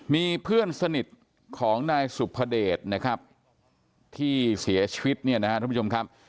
มีเพื่อนสนิทของนายสุภเดชนะครับที่เสียชีวิตเนี่ยนะครับทุกผู้ชมครับ